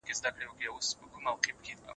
پوهانو وويل چي حقيقي عايد بايد اندازه سي.